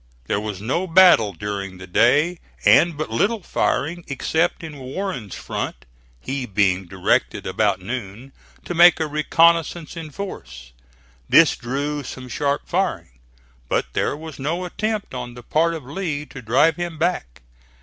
There was no battle during the day, and but little firing except in Warren's front; he being directed about noon to make a reconnoissance in force. This drew some sharp firing, but there was no attempt on the part of Lee to drive him back.